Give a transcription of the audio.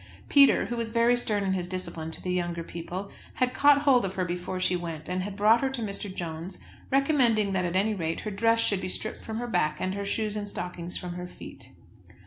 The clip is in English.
Peter, who was very stern in his discipline to the younger people, had caught hold of her before she went, and had brought her to Mr. Jones, recommending that at any rate her dress should be stripped from her back, and her shoes and stockings from her feet.